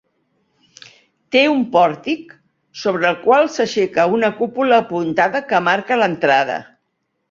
Té un pòrtic sobre el qual s'aixeca una cúpula apuntada que marca l'entrada.